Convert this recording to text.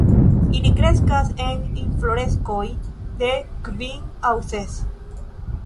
Ili kreskas en infloreskoj de kvin aŭ ses.